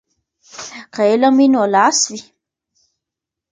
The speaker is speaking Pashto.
که علم وي نو لاس وي.